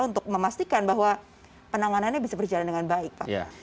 untuk memastikan bahwa penanganannya bisa berjalan dengan baik pak